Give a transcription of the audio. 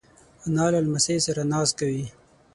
انا له لمسیو سره ناز کوي